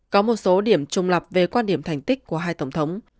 có một số điểm trùng lập về quan điểm thành tích của hai tổng thống